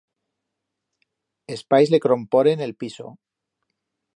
Es pais le cromporen el piso.